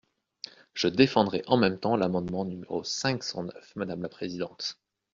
Je défendrai en même temps l’amendement numéro cinq cent neuf, madame la présidente.